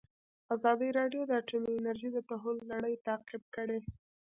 ازادي راډیو د اټومي انرژي د تحول لړۍ تعقیب کړې.